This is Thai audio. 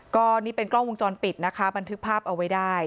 ก็นี่เป็นกล้องวงจรปิดนะคะบันทึกภาพเอาไว้ได้